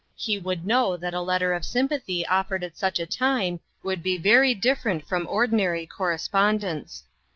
He would know that a letter of sym pathy offered at such a time would be very different from ordinary correspondence.